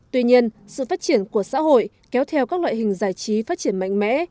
tuy nhiên sự phát triển của xã hội kéo theo các loại hình giải trí phát triển mạnh mẽ